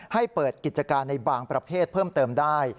ให้เปิดกิจการในบางประเภทเพิ่มเติมได้